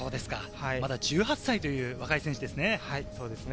まだ１８歳という若い選手ですね。